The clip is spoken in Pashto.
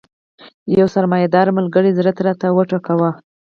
یو سرمایه دار ملګري زړه راته وټکاوه.